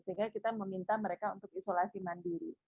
sehingga kita meminta mereka untuk isolasi mandiri